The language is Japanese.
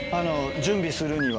準備するには。